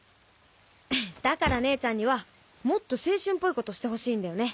だから姉ちゃんにはもっと青春っぽい事してほしいんだよね。